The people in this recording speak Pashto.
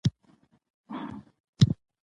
پلار یې که څه هم اجازه نه ورکوله خو هغه یې راضي کړ